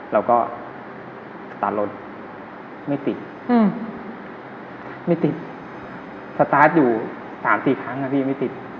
เราก็สตาร์ทรถไม่ติดไม่ติดสตาร์ทอยู่๓๔ครั้งนะพี่ไม่ติด